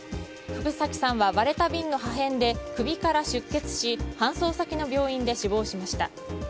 福崎さんは割れた瓶の破片で首から出血し搬送先の病院で死亡しました。